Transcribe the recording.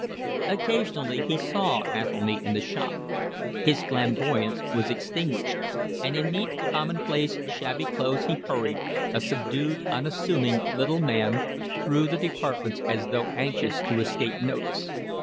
Occasionally he saw Athelny in the shop. His flamboyance was extinguished; and in neat, commonplace, shabby clothes he hurried, a subdued, unassuming little man, through the departments as though anxious to escape notice.